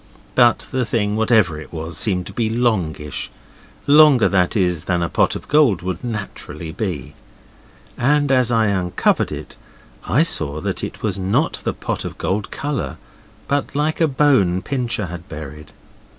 But the thing, whatever it was, seemed to be longish; longer, that is, than a pot of gold would naturally be. And as I uncovered it I saw that it was not at all pot of gold colour, but like a bone Pincher has buried.